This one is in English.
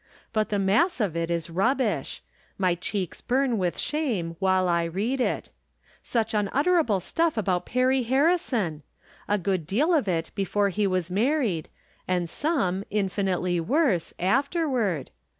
But the mass of it is rubbish ; my cheeks burn with shame while I read it ! Such unutterable stuff about Perry Harrison ! A good deal of it before he was mar ried, and some, infinitely worse, afterward